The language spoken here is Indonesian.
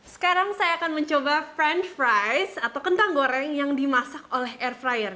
sekarang saya akan mencoba friend fresh atau kentang goreng yang dimasak oleh air fryer